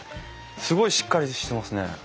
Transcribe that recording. すごいしっかりしてますね。